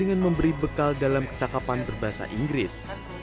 dengan memberi bekal dalam kecakapan berbahasa inggris